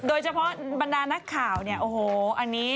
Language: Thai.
โดยเฉพาะบรรดานักข่าวเนี่ยโอ้โหอันนี้คือมากใหม่